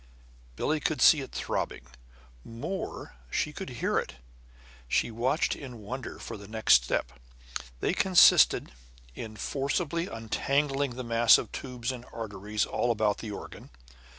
Billie could see it throbbing; more, she could hear it. She watched in wonder for the next step. They consisted in forcibly untangling the mass of tubes and arteries all about the organ.